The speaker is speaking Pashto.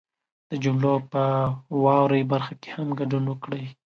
د جملو په واورئ برخه کې هم ګډون وکړئ